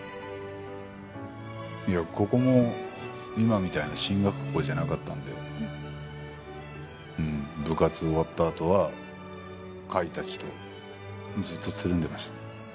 いやここも今みたいな進学校じゃなかったんで部活終わったあとは甲斐たちとずっとつるんでました。